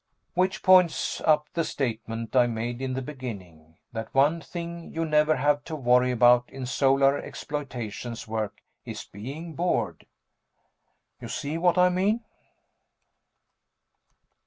Which points up the statement I made in the beginning, that one thing you never have to worry about in Solar Exploitations work is being bored. You see what I mean?